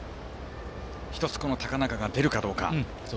この高中が出るかどうか。